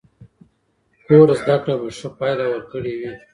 کور زده کړه به ښه پایله ورکړې وي.